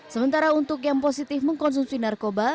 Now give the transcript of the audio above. sementara untuk yang positif mengkonsumsi narkoba